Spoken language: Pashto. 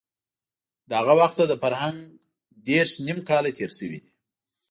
له هغه وخته د فرهنګ دېرش نيم کاله تېر شوي دي.